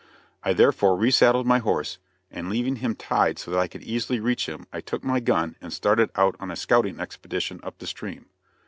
I therefore re saddled my horse, and leaving him tied so that I could easily reach him I took my gun and started out on a scouting expedition up the stream.